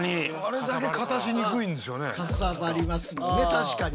確かに。